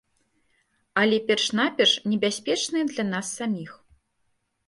Але перш-наперш небяспечныя для нас саміх.